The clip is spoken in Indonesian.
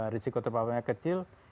risiko terpaparnya kecil